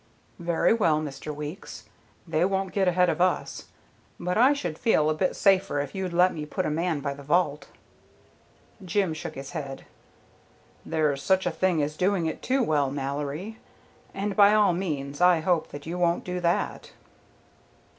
"Very well, Mr. Weeks. They won't get ahead of us. But I should feel a bit safer if you'd let me put a man by the vault." Jim shook his head. "There's such a thing as doing it too well, Mallory. And by all means I hope that you won't do that."